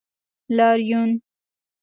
لاریون